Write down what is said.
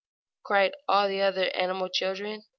cried all the other animal children.